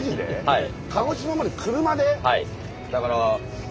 はい。